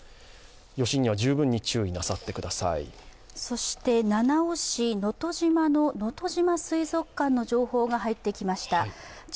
余震には十分に注意なさってください。のとじま水族館の情報が入ってきました。